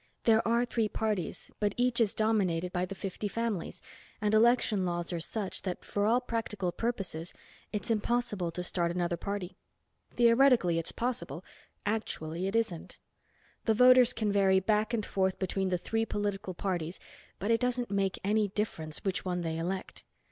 There are three parties, but each is dominated by the fifty families, and election laws are such that for all practical purposes it's impossible to start another party. Theoretically it's possible, actually it isn't. The voters can vary back and forth between the three political parties but it doesn't make any difference which one they elect.